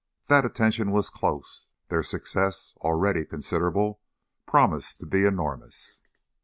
That attention was close; their success, already considerable, promised to be enormous.